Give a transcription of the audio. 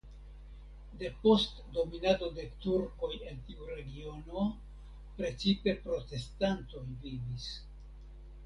Depost dominado de turkoj en tiu regiono precipe protestantoj vivis.